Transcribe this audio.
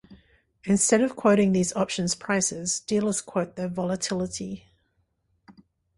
Instead of quoting these options' prices, dealers quote their volatility.